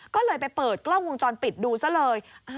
ก็เลยไปเปิดกล้องวงจรปิดดูซะเลย